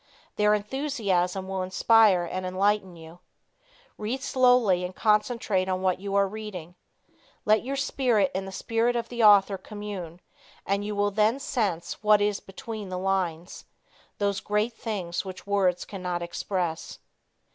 Their enthusiasm will inspire and enlighten you. Read slowly and concentrate on what you are reading. Let your spirit and the spirit of the author commune, and you will then sense what is between the lines those great things which words cannot express.